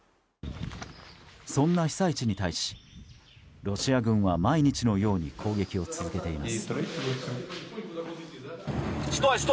そんな被災地に対しロシア軍は毎日のように攻撃を続けています。